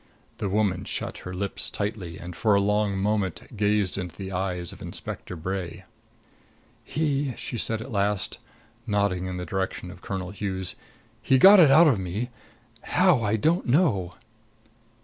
The woman shut her lips tightly and for a long moment gazed into the eyes of Inspector Bray. "He" she said at last, nodding in the direction of Colonel Hughes "he got it out of me how, I don't know."